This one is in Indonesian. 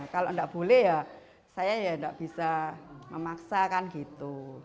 kalau nggak boleh ya saya ya nggak bisa memaksakan gitu